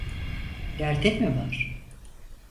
Derdin mi var?